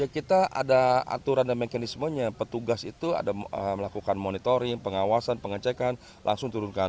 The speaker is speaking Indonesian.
kita ada aturan dan mekanismenya petugas itu ada melakukan monitoring pengawasan pengecekan langsung turunkan